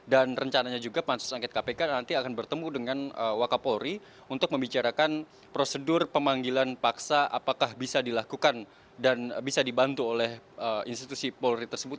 dan rencananya juga pansus angket kpk nanti akan bertemu dengan wakapolri untuk membicarakan prosedur pemanggilan paksa apakah bisa dilakukan dan bisa dibantu oleh institusi polri tersebut